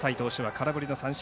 空振り三振！